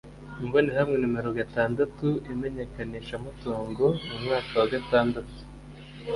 Imbonerahamwe Nomero gatandatu Imenyekanishamutungo mu mwaka wa gatandatu